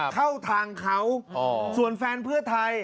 เข้าทางเขาส่วนแฟนเพื่อไทย